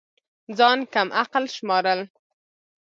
ځان كم عقل شمارل